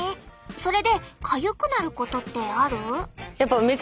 それでかゆくなることってある？